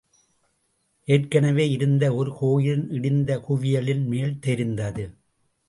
ஏற்கெனவே இருந்த ஒரு கோயிலின் இடிந்த குவியலின் மேல் தெரிந்தது.